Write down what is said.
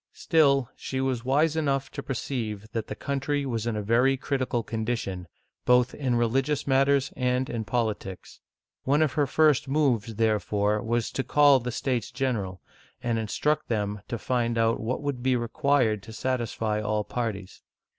Still, she was wise enough to perceive that the country was in a very critical condition, both in religious matters and in politics. One of her first moves, therefore, was to call the States General, and instruct them to find out what would be required to satisfy all parties.